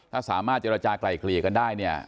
ถ้าสามารถเจรจากลายเกลี่ยกันได้เนี่ย